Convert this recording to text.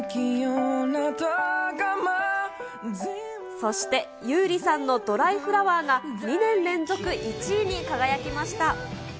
そして優里さんのドライフラワーが２年連続１位に輝きました。